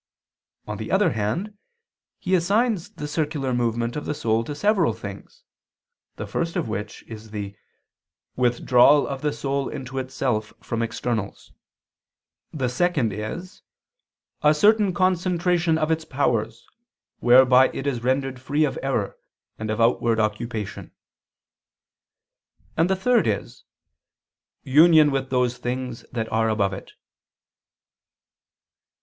On the other hand, he assigns the circular movement of the soul to several things: the first of which is the "withdrawal of the soul into itself from externals"; the second is "a certain concentration of its powers, whereby it is rendered free of error and of outward occupation"; and the third is "union with those things that are above it."